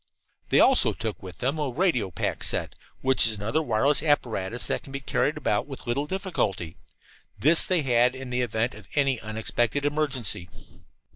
They also took with them a radio pack set, which is another wireless apparatus that can be carried about with little difficulty. This they had in the event of any unexpected emergency.